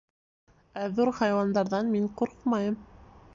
Ә ҙур хайуандарҙан мин ҡурҡмайым.